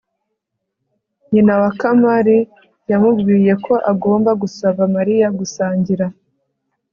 nyina wa kamali yamubwiye ko agomba gusaba mariya gusangira